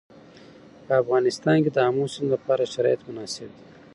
په افغانستان کې د آمو سیند لپاره شرایط مناسب دي.